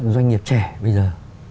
doanh nghiệp trẻ bây giờ